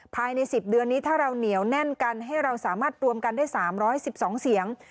ภายใน๑๐เดือนนี้ถ้าเราเหนียวแน่นกันให้เราสามารถรวมกันได้๓๑๒เสียง